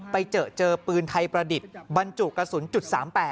ไปเจอเจอปืนไทยประดิษฐ์บรรจุกระสุนจุด๓๘